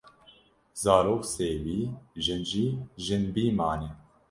zarok sêwî, jin jî jinbî mane.